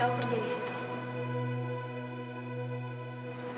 aku kerja disitu